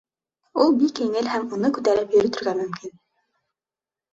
Ул бик еңел һәм уны күтәреп йөрөтөргә мөмкин.